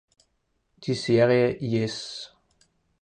Die Serie "Yes!